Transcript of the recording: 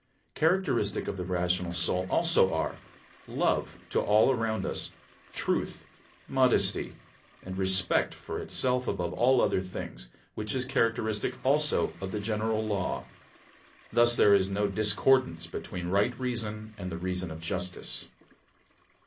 Characteristic of the rational soul also are: Love to all around us, truth, modesty; and respect for itself above all other things, which is characteristic also of the general law. Thus there is no discordance between right reason and the reason of justice.